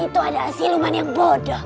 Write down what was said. itu ada siluman yang bodoh